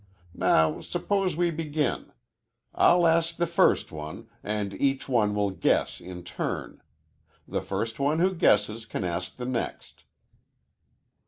Now, suppose we begin. I'll ask the first one, and each one will guess in turn. The first one who guesses can ask the next."